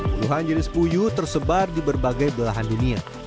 puluhan jenis puyuh tersebar di berbagai belahan dunia